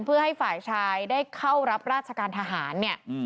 เพื่อให้ฝ่ายชายได้เข้ารับราชการทหารเนี่ย